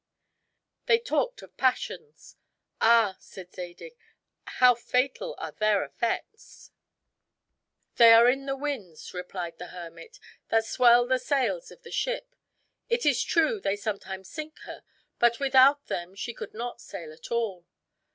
They talked of passions. "Ah," said Zadig, "how fatal are their effects!" "They are in the winds," replied the hermit, "that swell the sails of the ship; it is true, they sometimes sink her, but without them she could not sail at all.